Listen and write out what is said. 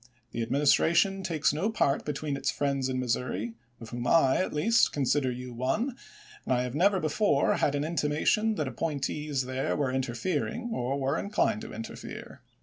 The Administration takes no part between its friends in Missouri, of whom I, Lincoln to at least, consider you one, and I have never before jau. 7, isb. ' .7 7 . w. R. had an intimation that appointees there were in v^i^xxn., terfering, or were inclined to interfere."